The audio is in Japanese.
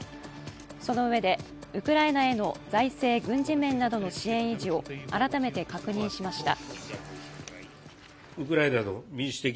そのうえで、ウクライナへの財政・軍事面などの支援維持を改めて確認資しました。